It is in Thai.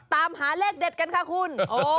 ตามหาเลขเด็ดกันค่ะคุณ